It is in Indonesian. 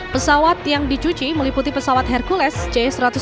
pesawat yang dicuci meliputi pesawat hercules c satu ratus enam puluh